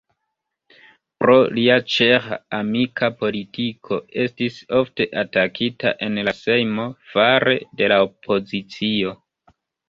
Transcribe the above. Pro lia ĉeĥ-amika politiko estis ofte atakita en la sejmo, fare de la opozicio.